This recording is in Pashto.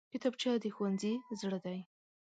کتابچه د ښوونځي زړه دی